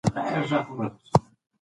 که راز وساتو نو رسوا نه کیږو.